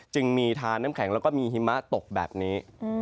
จึงมีทานน้ำแข็งแล้วก็มีหิมะตกแบบนี้